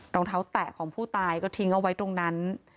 รองเท้าแตะของผู้ตายก็ทิ้งเอาไว้ตรงนั้น